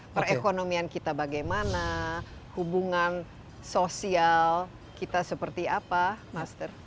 perekonomian kita bagaimana hubungan sosial kita seperti apa master